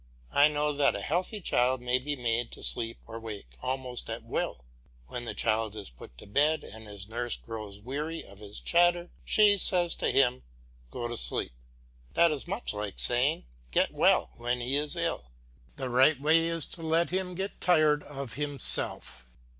I know that a healthy child may be made to sleep or wake almost at will. When the child is put to bed and his nurse grows weary of his chatter, she says to him, "Go to sleep." That is much like saying, "Get well," when he is ill. The right way is to let him get tired of himself.